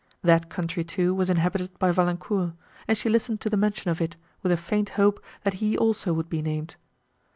That country, too, was inhabited by Valancourt, and she listened to the mention of it, with a faint hope, that he also would be named.